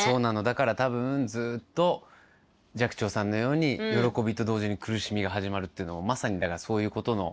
だから多分ずっと寂聴さんのように「喜びと同時に苦しみが始まる」っていうのもまさにだからそういうことの。